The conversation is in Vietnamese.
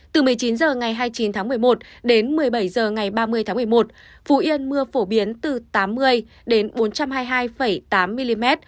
từ một mươi chín h ngày hai mươi chín tháng một mươi một đến một mươi bảy h ngày ba mươi tháng một mươi một phú yên mưa phổ biến từ tám mươi đến bốn trăm hai mươi hai tám mm